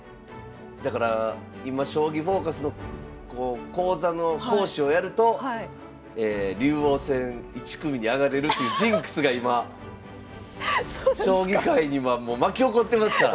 だから今「将棋フォーカス」の講座の講師をやると竜王戦１組に上がれるっていうジンクスが今将棋界に今巻き起こってますから。